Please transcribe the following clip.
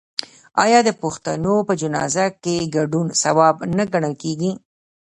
آیا د پښتنو په جنازه کې ګډون ثواب نه ګڼل کیږي؟